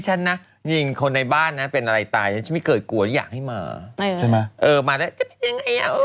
ไหนก็ไม่อยู่แล้วไม่ได้ขอต่าง